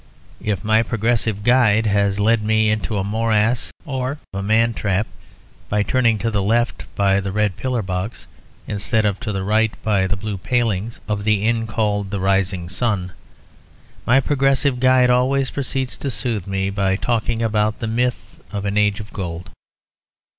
If my progressive guide has led me into a morass or a man trap by turning to the left by the red pillar box, instead of to the right by the blue palings of the inn called the Rising Sun, my progressive guide always proceeds to soothe me by talking about the myth of an Age of Gold.